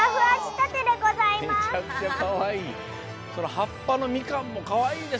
はっぱのみかんもかわいいですね。